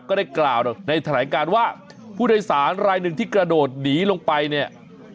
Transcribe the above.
ก็ได้กล่าวในแถลงการว่าผู้โดยสารรายหนึ่งที่กระโดดหนีลงไปเนี่ย